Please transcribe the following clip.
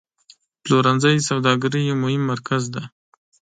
پلورنځی د سوداګرۍ یو مهم مرکز دی.